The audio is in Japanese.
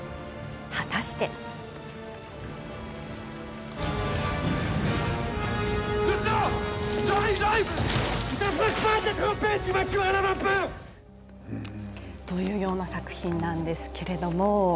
果たして。というような作品なんですけれども。